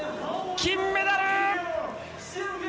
金メダル！